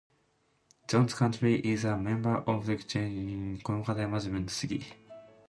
Jones County is a member of the regional Eastern Carolina Council of Governments.